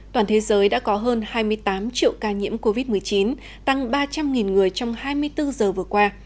toàn thế giới đã có hơn hai mươi tám triệu ca nhiễm covid một mươi chín tăng ba trăm linh người trong hai mươi bốn giờ vừa qua